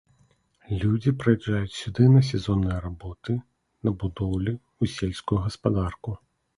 Людзі прыязджаюць сюды на сезонныя работы, на будоўлі, у сельскую гаспадарку.